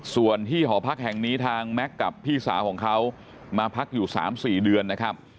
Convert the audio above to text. ส่วนที่หอพักแห่งนี้ทางแม็กซ์กับพี่สาวของเขามาพักอยู่๓๔เดือนนะครับ